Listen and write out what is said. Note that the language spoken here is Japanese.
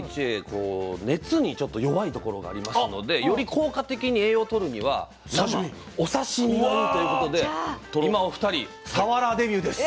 熱にちょっと弱いところがありますのでより効果的に栄養をとるには生お刺身がいいということで今お二人サワラーデビューです。